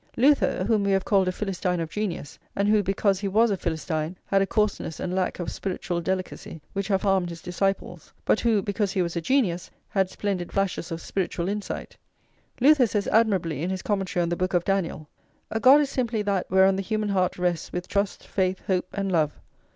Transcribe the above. Luther, whom we have called a Philistine of genius, and who, because he was a Philistine, had a coarseness and lack of spiritual delicacy which have harmed his disciples, but who, because he was a genius, had splendid flashes of spiritual insight, Luther says admirably in his Commentary on the Book of Daniel: "A God is simply that whereon the human heart rests with trust, faith, hope and love.